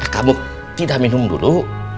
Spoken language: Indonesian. kamu tidak minum dulu